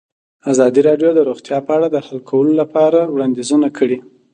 ازادي راډیو د روغتیا په اړه د حل کولو لپاره وړاندیزونه کړي.